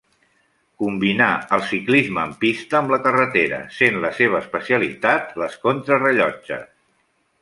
Combinà el ciclisme en pista amb la carretera, sent la seva especialitat les contrarellotges.